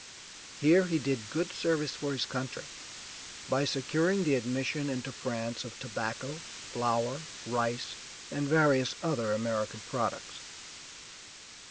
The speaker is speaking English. Here he did good service for his country by securing the admission into France of tobacco, flour, rice and various other American products.